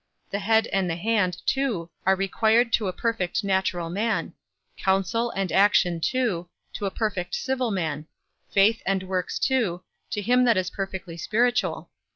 The head and the hand too are required to a perfect natural man; counsel and action too, to a perfect civil man; faith and works too, to him that is perfectly spiritual.